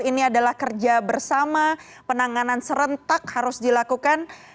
ini adalah kerja bersama penanganan serentak harus dilakukan